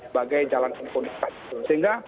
sebagai jalan impunitas sehingga